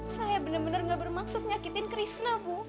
saya bener bener gak bermaksud nyakitin krishna bu